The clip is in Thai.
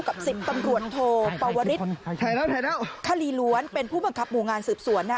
สิบตำรวจโทปวริสคลีล้วนเป็นผู้บังคับหมู่งานสืบสวนนะฮะ